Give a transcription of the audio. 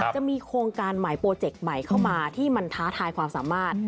จะมีโครงการใหม่โปรเจกต์ใหม่เข้ามาที่มันท้าทายความสามารถ